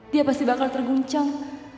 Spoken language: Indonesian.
dia pasti bakal terguncang